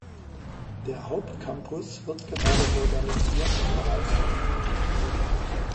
Der Hauptcampus wird gerade modernisiert und erweitert.